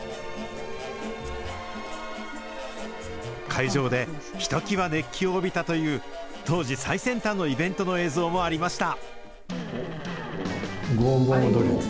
会場でひときわ熱気を帯びたという、当時、最先端のイベントの映像もありました。